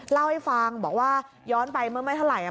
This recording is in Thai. เล่าให้ฟังบอกว่าย้อนไปเมื่อไม่เท่าไหร่